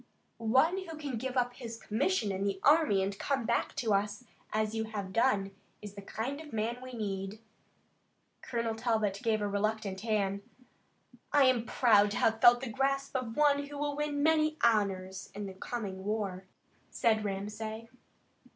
"One who can give up his commission in the army and come back to us as you have done is the kind of man we need." Colonel Talbot gave a reluctant hand. "I am proud to have felt the grasp of one who will win many honors in the coming war," said Ramsay.